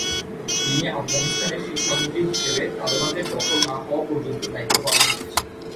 তিনি আফগানিস্তানের শিক্ষামন্ত্রী হিসেবে তালেবানদের দখল না হওয়া পর্যন্ত দায়িত্ব পালন করেছেন।